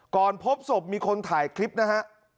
ก่อนพบศพมีคนถ่ายคลิปนะครับ